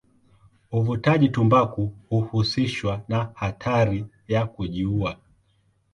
Uvutaji tumbaku huhusishwa na hatari ya kujiua.